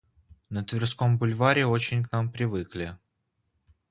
На Тверском бульваре очень к вам привыкли.